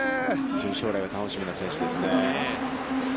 将来が楽しみな選手ですね。